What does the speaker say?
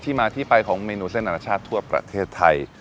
มาที่ไปของเมนูเส้นอนาชาติทั่วประเทศไทย